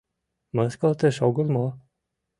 Мыскылтыш огыл мо?